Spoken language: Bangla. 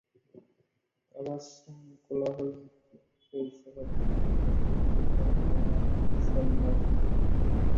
চলচ্চিত্রটি পরিচালনা করেছেন শাহাদাত হোসেন লিটন ও অভিনন্দন চলচ্চিত্রের ব্যানারে প্রযোজনা ও কাহিনি রচনা করেন শহিদুল ইসলাম শহিদ।